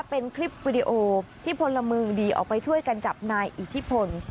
เป็นคลิปวิดีโอที่พลเมืองดีออกไปช่วยกันจับนายอิทธิพล